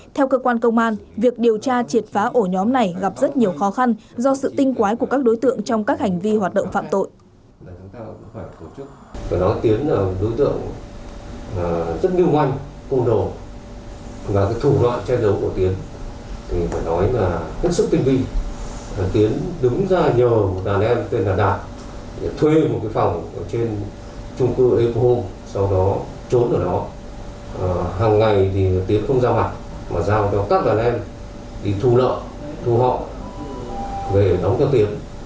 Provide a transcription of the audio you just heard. theo cơ quan công an việc điều tra triệt phá ổ nhóm này gặp rất nhiều khó khăn do sự tinh quái của các đối tượng trong các hành vi hoạt động phạm tội